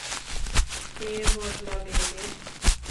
কে বদলাবে এদের?